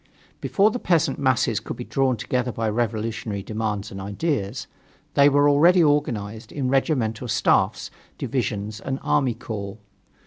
Before the peasant masses could be drawn together by revolutionary demands and ideas, they were already organized in regimental staffs, divisions and army corps.